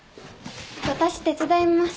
私手伝います。